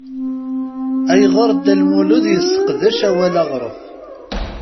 Ayɣer Dda Lmulud yesseqdec awal aɣref?